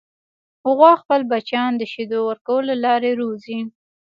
غوا خپل بچیان د شیدو ورکولو له لارې روزي.